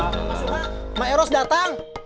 mas umar mak eros datang